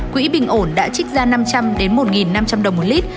quỹ bình ổn đã trích ra năm trăm linh một năm trăm linh đồng một lít